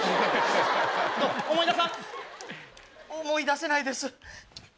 思い出せないです。